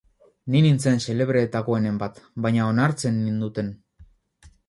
Ni nintzen xelebreetakoenen bat, baina onartzen ninduten.